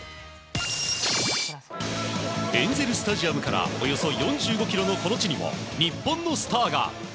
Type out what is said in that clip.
エンゼル・スタジアムからおよそ４５ｋｍのこの地にも日本のスターが。